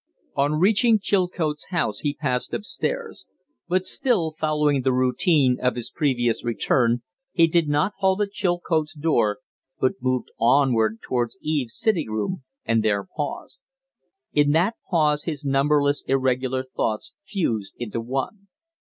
On reaching Chilcote's house he passed up stairs; but, still following the routine of his previous return, he did not halt at Chilcote's door, but moved onward towards Eve's sitting room and there paused. In that pause his numberless irregular thoughts fused into one.